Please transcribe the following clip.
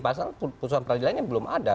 pasal pasal perusahaan pengadilan ini belum ada